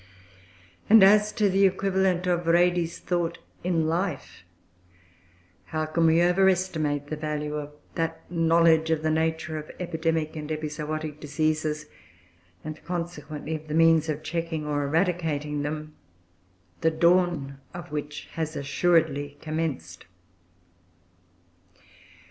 And as to the equivalent of Redi's thought in life, how can we over estimate the value of that knowledge of the nature of epidemic and epizootic diseases, and consequently of the means of checking, or eradicating them, the dawn of which has assuredly commenced?